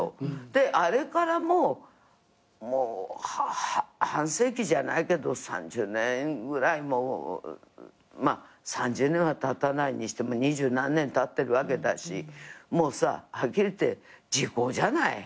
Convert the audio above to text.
であれからもう半世紀じゃないけど３０年ぐらいもうまあ３０年はたたないにしても二十何年たってるわけだしもうさはっきり言って時効じゃない。